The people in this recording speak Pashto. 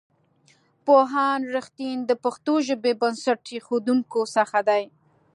پوهاند رښتین د پښتو ژبې بنسټ ایښودونکو څخه دی.